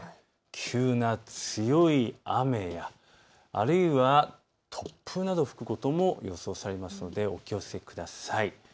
急な強い雨やあるいは突風など吹くことも予想されるのでお気をつけください。